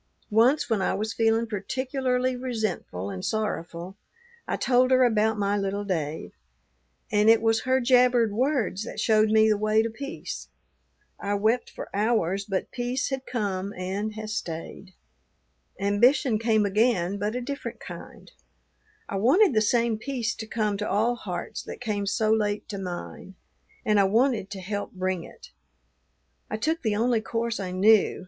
Once, when I was feeling particularly resentful and sorrowful, I told her about my little Dave; and it was her jabbered words that showed me the way to peace. I wept for hours, but peace had come and has stayed. Ambition came again, but a different kind: I wanted the same peace to come to all hearts that came so late to mine, and I wanted to help bring it. I took the only course I knew.